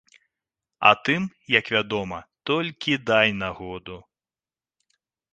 А тым, як вядома, толькі дай нагоду.